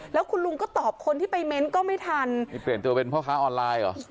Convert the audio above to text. แล้วคุณลุงก็ตอบคนที่ไปเม้นต์ก็ไม่ทันนี่เปลี่ยนตัวเป็นพ่อค้าออนไลน์เหรอ